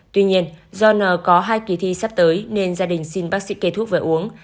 tuy nhiên do n có hai kỳ thi sắp tới nên gia đình xin bác sĩ kê thuốc về uống